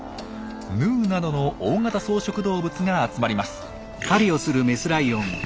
ヌーなどの大型草食動物が集まります。